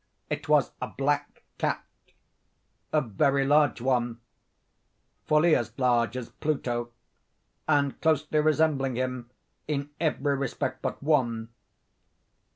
It was a black cat—a very large one—fully as large as Pluto, and closely resembling him in every respect but one.